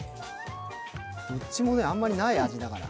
どっちもあんまりない味だから。